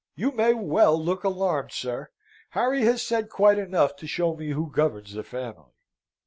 You may well look alarmed, sir! Harry has said quite enough to show me who governs the family."